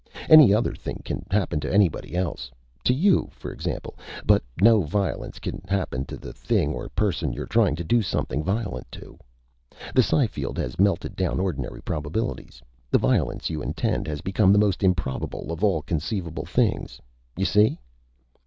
Any other thing can happen to anybody else to you, for example but no violence can happen to the thing or person you're trying to do something violent to. The psi field has melted down ordinary probabilities. The violence you intend has become the most improbable of all conceivable things. You see?"